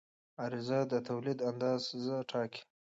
عرضه د تولید اندازه ټاکي.